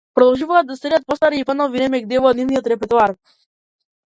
Продолжуваат да се редат и постари и понови ремек дела од нивниот репертоар.